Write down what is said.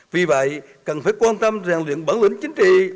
vì vậy cần phải quan tâm rèn luyện bản lĩnh chính trị